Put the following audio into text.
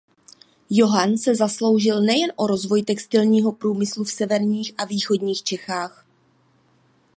Johann se zasloužil nejen o rozvoj textilního průmyslu v severních a východních Čechách.